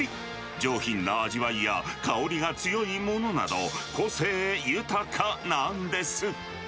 上品な味わいや香りが強いものなど、個性豊かなんです。